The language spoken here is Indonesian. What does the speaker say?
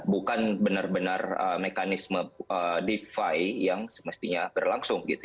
bukan benar benar mekanisme defi yang semestinya berlangsung gitu